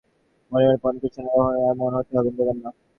মনে মনে পণ করছেন আর কখনো এমন হতে দেবেন না।